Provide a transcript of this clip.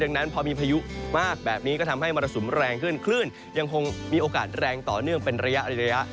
ดังนั้นพอมีพายุมากแบบนี้ก็ทำให้มรสุมแรงขึ้นคลื่นยังคงมีโอกาสแรงต่อเนื่องเป็นระยะ